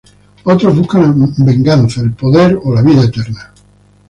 Otros buscan Venganza, el Poder o la vida eterna.